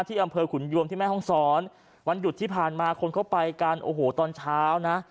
อำเภอขุนยวมที่แม่ห้องศรวันหยุดที่ผ่านมาคนเข้าไปกันโอ้โหตอนเช้านะ